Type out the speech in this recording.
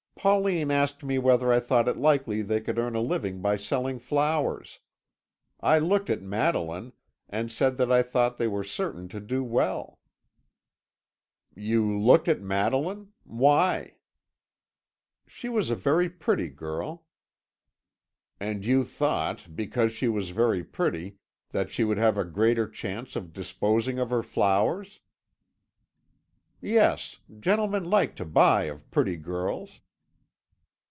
Pauline asked me whether I thought it likely they could earn a living by selling flowers. I looked at Madeline, and said that I thought they were certain to do well." "You looked at Madeline. Why?" "She was a very pretty girl." "And you thought, because she was very pretty, that she would have a greater chance of disposing of her flowers." "Yes. Gentlemen like to buy of pretty girls."